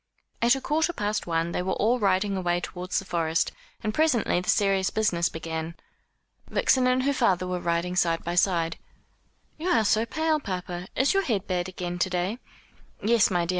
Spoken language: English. At a quarter past one they were all riding away towards the Forest, and presently the serious business began. Vixen and her father were riding side by side. "You are so pale, papa. Is your head bad again to day?" "Yes, my dear.